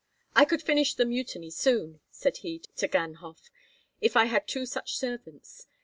"I could finish the mutiny soon," said he to Ganhoff, "if I had two such servants.